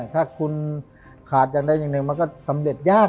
ถ้าคุณขาดตัวได้อย่างหนึ่งนะมันก็สำเร็จยาก